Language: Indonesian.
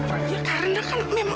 ya karena kan memang